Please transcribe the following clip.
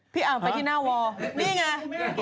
พี่ไปที่หน้าวอร์นี่ไง